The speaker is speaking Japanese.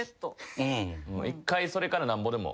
１回それからなんぼでも。